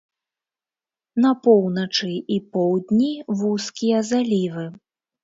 На поўначы і поўдні вузкія залівы.